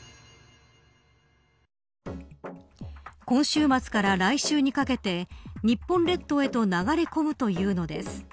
今週末から来週にかけて日本列島へと流れ込むというのです。